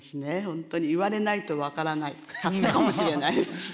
本当に言われないと分からなかったかもしれないです。